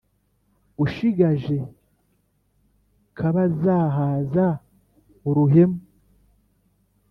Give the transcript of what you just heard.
Ushigaje kabazahaza uruhemu,